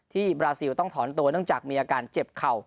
บราซิลต้องถอนตัวเนื่องจากมีอาการเจ็บเข่า